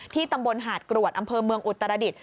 ตำบลหาดกรวดอำเภอเมืองอุตรดิษฐ